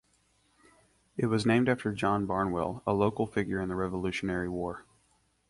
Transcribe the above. It was named after John Barnwell, a local figure in the Revolutionary War.